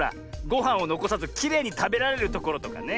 ごはんをのこさずきれいにたべられるところとかね。